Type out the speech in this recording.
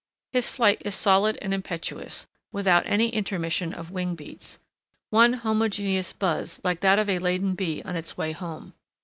His flight is solid and impetuous, without any intermission of wing beats,—one homogeneous buzz like that of a laden bee on its way home.